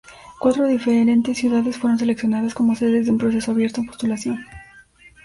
Cuatro diferentes ciudades fueron seleccionadas como sedes en un proceso abierto de postulación.